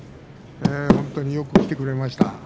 本当によく来てくれました。